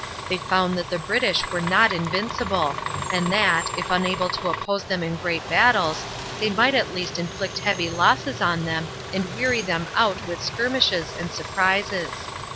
They found that the British were not invincible, and that, if unable to oppose them in great battles, they might at least inflict heavy losses on them and weary them out with skirmishes and surprises.